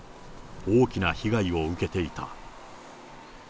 大きな被害を受けていた。